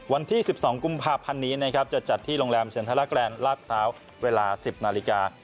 วันที่๑๒กุมภาพันธ์นี้นะครับจะจัดที่โรงแรมเซ็นทรลากแรนดลาดพร้าวเวลา๑๐นาฬิกา